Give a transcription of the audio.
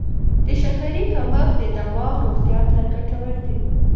د شکرې کمښت د دماغ روغتیا ته ګټور دی.